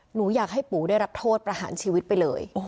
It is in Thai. หนูอยากให้ปู่ได้รับโทษประหารชีวิตไปเลย